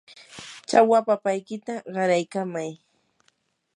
chawa papaykita qaraykamay.